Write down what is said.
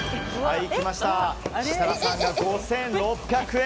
設楽さんが５６００円。